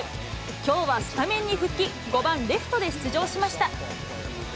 きょうはスタメンに復帰、５番レフトで出場しました。